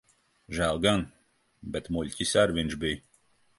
Žēl gan. Bet muļķis ar viņš bij.